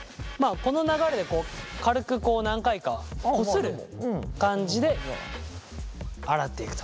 この流れでこう軽くこう何回かこする感じで洗っていくと。